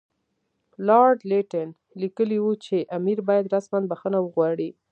لارډ لیټن لیکلي وو چې امیر باید رسماً بخښنه وغواړي.